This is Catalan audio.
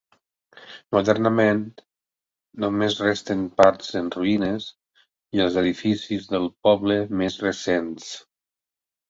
Modernament només resten parts en ruïnes i els edificis del poble més recents.